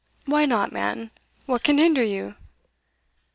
"Why not, man? what can hinder you?"